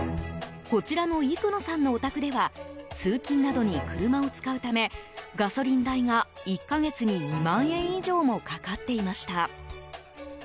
こちらの幾野さんのお宅では通勤などに車を使うためガソリン代が１か月に２万円以上もかかっていました。